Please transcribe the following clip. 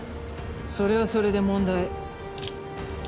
それはそれで問題。